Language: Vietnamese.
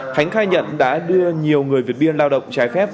khánh khai nhận đã đưa nhiều người việt biên lao động trái phép